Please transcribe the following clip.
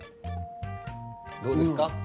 どうですか？